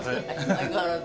相変わらず。